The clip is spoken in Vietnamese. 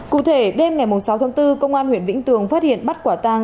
cụ thể đêm ngày sáu tháng bốn công an huyện vĩnh tường phát hiện bắt quả tàng